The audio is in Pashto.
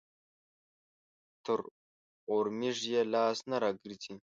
تر اورمېږ يې لاس نه راګرځي.